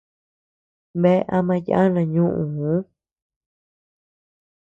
Bea ama yana ñuʼuu.